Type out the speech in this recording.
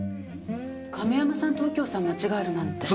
亀山さんと右京さん間違えるなんて。